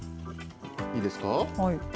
いいですか？